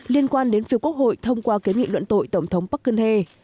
liên quan đến phiêu quốc hội thông qua kế nghị luận tội tổng thống park geun hye